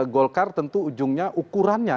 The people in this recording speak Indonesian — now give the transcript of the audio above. golkar tentu ujungnya ukurannya